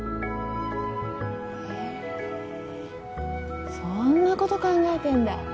へえそんなこと考えてんだ？